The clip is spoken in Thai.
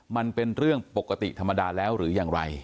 มันเป็นเรื่องปกติธรรมดาแล้วหรืออย่างไร